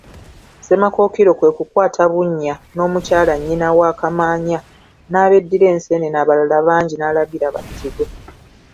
Ssemakookiro kwe kukwata Bunnya n'Omukyala nnyina wa Kamaanya n'abeddira enseenene abalala bangi n'alagira battibwe.